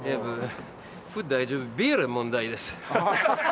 ビール問題です。